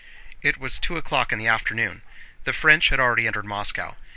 It was two o'clock in the afternoon. The French had already entered Moscow.